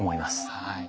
はい。